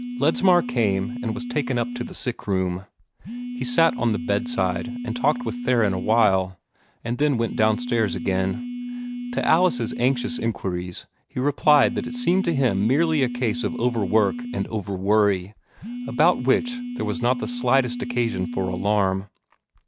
Ledsmar came, and was taken up to the sick room. He sat on the bedside and talked with Theron awhile, and then went downstairs again. To Alice's anxious inquiries, he replied that it seemed to him merely a case of over work and over worry, about which there was not the slightest occasion for alarm.